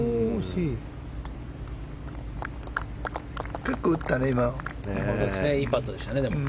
いいパットでしたね。